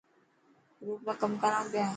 گروپ ۾ ڪم ڪران پيا.